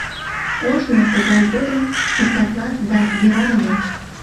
Ожно тыгай годым списатлат да йӧра ыле.